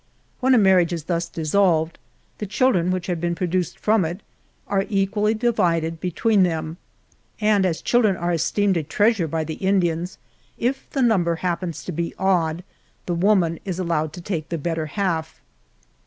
When a marriage is thus dissolved, the children which have been produced from it, are equally divided between them; and as children are esteemed a treasure by the Indi ans, if the number happens to be odd, the woman is allowed to take the better half.